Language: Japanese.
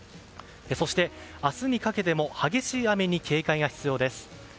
そして明日にかけても激しい雨に警戒が必要です。